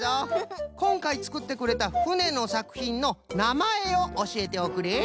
こんかいつくってくれたふねのさくひんのなまえをおしえておくれ。